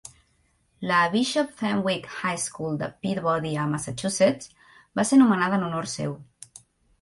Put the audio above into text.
La Bishop Fenwick High School de Peabody a Massachusetts va ser nomenada en honor seu.